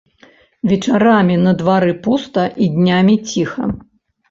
Вечарамі на двары пуста і днямі ціха.